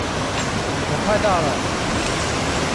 我快到了